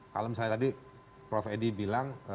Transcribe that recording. kalau misalnya tadi prof edi bilang